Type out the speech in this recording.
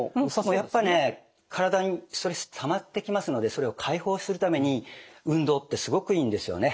やっぱね体にストレスってたまってきますのでそれを解放するために運動ってすごくいいんですよね。